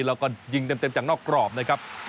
แล้วก็ยิงเต็มจากนอกกรอบนะครับ